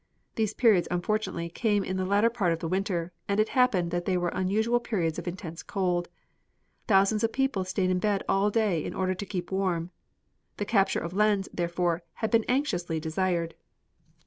These periods unfortunately came in the latter part of the winter, and it happened they were unusual periods of intense cold. Thousands of people stayed in bed all day in order to keep warm. The capture of Lens, therefore, had been anxiously desired.